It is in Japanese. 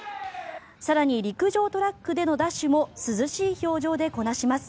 更に陸上トラックでのダッシュも涼しい表情でこなします。